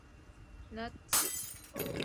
ナッツ